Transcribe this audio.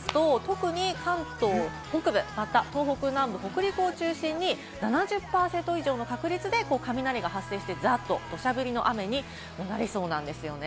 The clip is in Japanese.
特に関東北部、また東北南部、北陸を中心に７０％以上の確率で雷が発生して、ザっと土砂降りの雨になりそうなんです。